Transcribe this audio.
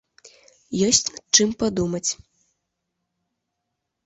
Ёсць над чым падумаць.